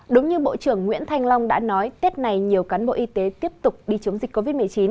đúng như bộ trưởng nguyễn thanh long đã nói tết này nhiều cán bộ y tế tiếp tục đi chống dịch covid một mươi chín